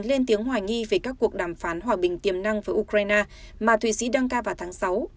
lên tiếng hoài nghi về các cuộc đàm phán hòa bình tiềm năng với ukraine mà thụy sĩ đăng ca vào tháng sáu